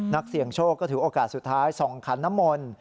นักเสี่ยงโชคก็ถือโอกาสสุดท้ายส่องขันน้ำมนต์